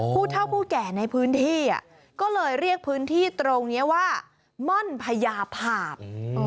ผู้เท่าผู้แก่ในพื้นที่ก็เลยเรียกพื้นที่ตรงนี้ว่าม่อนพญาภาพ